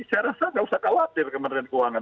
saya rasa tidak usah khawatir kemeneran keuangan